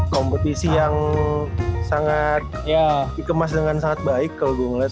kompetisi yang sangat ya dikemas dengan sangat baik kalau gue ngeliat